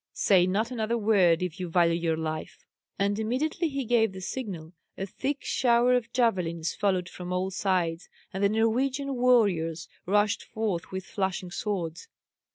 Say not another word, if you value your life." And immediately he gave the signal, a thick shower of javelins followed from all sides, and the Norwegian warriors rushed forth with flashing swords.